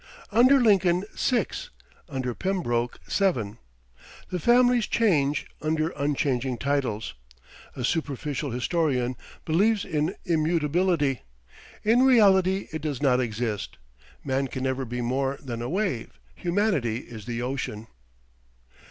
Under Lincoln, six; under Pembroke, seven. The families change, under unchanging titles. A superficial historian believes in immutability. In reality it does not exist. Man can never be more than a wave; humanity is the ocean.